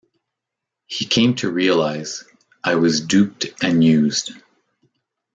He came to realize, I was duped and used.